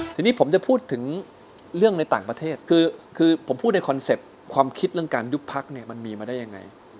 ทีนี้ผมจะพูดถึงเรื่องในต่างประเทศคือผมพูดในคอนเซ็ปต์ความคิดเรื่องการยุบพักเนี่ยมันมีมาได้ยังไง